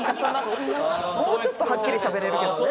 もうちょっとはっきりしゃべれるけどね。